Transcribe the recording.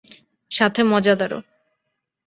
সাথে মজাদারও।